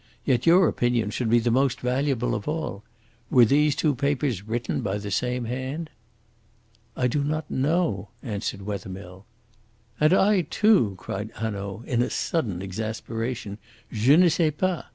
Yet your opinion should be the most valuable of all. Were these two papers written by the same hand?" "I do not know," answered Wethermill. "And I, too," cried Hanaud, in a sudden exasperation, "je ne sais pas.